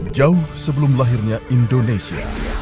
jauh sebelum lahirnya indonesia